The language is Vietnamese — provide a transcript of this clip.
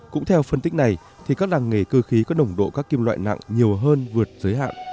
cũng theo phân tích này thì các làng nghề cơ khí có nồng độ các kim loại nặng nhiều hơn vượt giới hạn